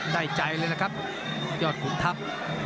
ได้ใจเลยนะครับยอดขุนทัพ